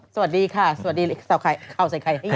สวัสดีค่ะสวัสดีเหรียยเอาใส่ใคร